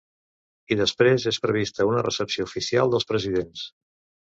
I després és prevista una recepció oficial dels presidents.